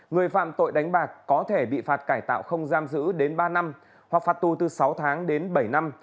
người phạm tội đánh bạc có thể bị phạt cải tạo không giam giữ đến ba năm hoặc phạt tù từ sáu tháng đến bảy năm